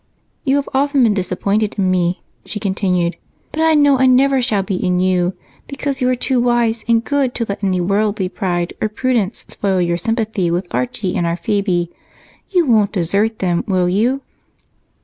"You have often been disappointed in me," she continued, "but I know I never shall be in you because you are too wise and good to let any worldly pride or prudence spoil your sympathy with Archie and our Phebe. You won't desert them, will you?"